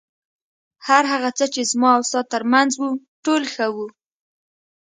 هر هغه څه چې زما او ستا تر منځ و ټول ښه وو.